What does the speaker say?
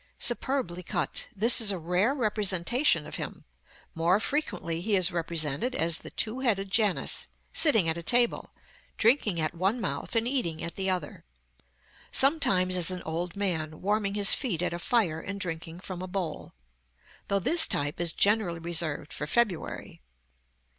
_ Superbly cut. This is a rare representation of him. More frequently he is represented as the two headed Janus, sitting at a table, drinking at one mouth and eating at the other. Sometimes as an old man, warming his feet at a fire, and drinking from a bowl; though this type is generally reserved for February.